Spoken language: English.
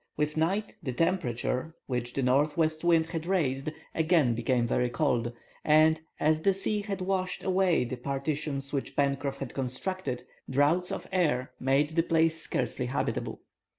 With night the temperature, which the northwest wind had raised, again became very cold, and, as the sea had washed away the partitions which Pencroff had constructed, draughts of air made the place scarcely habitable.